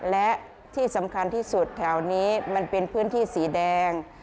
และที่สำคัญที่สุดแถวนี้มันเป็นพื้นที่สีแดง